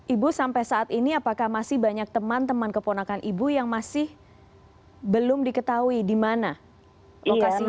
ibu sampai saat ini apakah masih banyak teman teman keponakan ibu yang masih belum diketahui di mana lokasinya